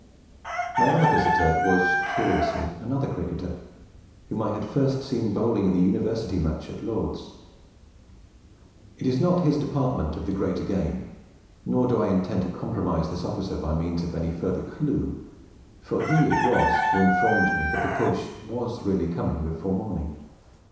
My other visitor was, curiously, another cricketer, whom I had first seen bowling in the University match at Lord's. It is not his department of the greater game; nor do I intend to compromise this officer by means of any further clue; for he it was who informed me that the push was really coming before morning.